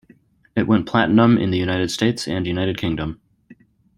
It went platinum in the United States and United Kingdom.